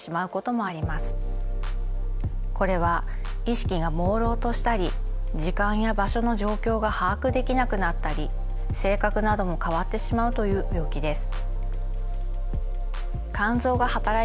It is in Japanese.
これは意識がもうろうとしたり時間や場所の状況が把握できなくなったり性格なども変わってしまうという病気です。